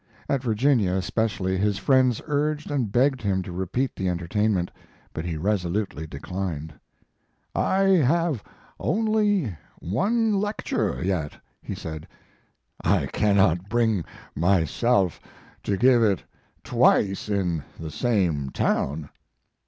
At Virginia especially his friends urged and begged him to repeat the entertainment, but he resolutely declined. "I have only one lecture yet," he said. "I cannot bring myself to give it twice in the same town."